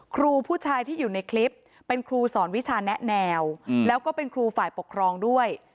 ครูผู้ชายที่อยู่ในคลิปเป็นครูสอนวิชาแนะแนวแล้วก็เป็นครูฝ่ายปกครองด้วย